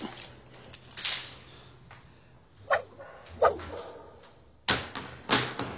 あっ！